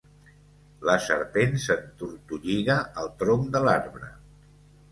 La serpent s'entortolliga al tronc de l'arbre.